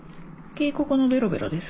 警告のベロベロです。